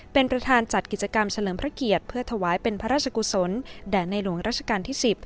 เป็นประธานจัดกิจกรรมเฉลิมพระเกียรติเพื่อถวายเป็นพระราชกุศลแด่ในหลวงราชการที่๑๐